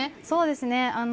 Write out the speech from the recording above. そうですね。